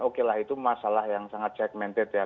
okelah itu masalah yang sangat jegmented ya